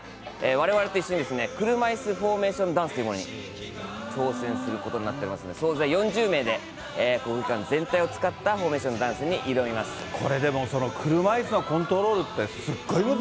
われわれと一緒に、車いすフォーメーションダンスというものに挑戦することになっておりますので、総勢４０名で、国技館全体を使ったフォーメーションダンスに挑みこれ、その車いすのコントロ